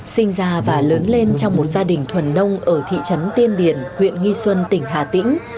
sinh ra và lớn lên trong một gia đình thuần nông ở thị trấn tiên điển huyện nghi xuân tỉnh hà tĩnh